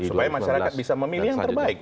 supaya masyarakat bisa memilih yang terbaik